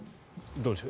どうでしょう。